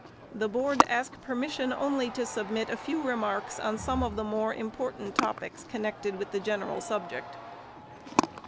The Board ask permission only to submit a few remarks on some of the more important topics connected with the general subject.